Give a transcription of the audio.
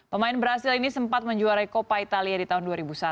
pemain brazil ini sempat menjuarai kopa italia di tahun dua ribu satu